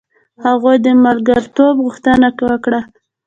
هغوی د ملګرتوب غوښتنه وکړه.